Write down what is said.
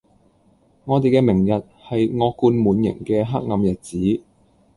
我地既明日,係惡貫滿刑既黑暗日子